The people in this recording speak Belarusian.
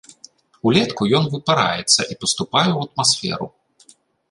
Улетку ён выпараецца і паступае ў атмасферу.